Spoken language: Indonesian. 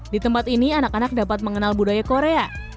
di tempat ini anak anak dapat mengenal budaya korea